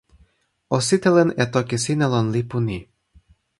o sitelen e toki sina lon lipu ni